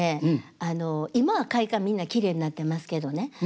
あの今は会館みんなきれいになってますけどね